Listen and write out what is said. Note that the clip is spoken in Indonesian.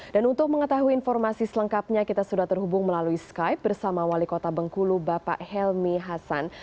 dan untuk mengetahui informasi selengkapnya kita sudah terhubung melalui skype bersama wali kota bengkulu bapak helmi hasan